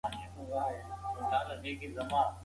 خو منډېلا د هغه په بې وسۍ پورې ونه خندل.